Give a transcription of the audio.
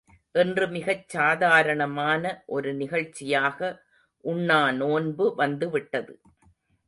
இன்று மிகச் சாதாரணமான ஒரு நிகழ்ச்சியாக உண்ணா நோன்பு வந்துவிட்டது.